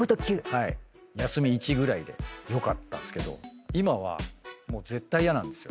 休み１ぐらいでよかったけど今はもう絶対嫌なんですよ。